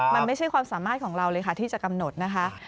มันไม่ใช่ความสามารถของเราเลยค่ะที่จะกำหนดนะคะ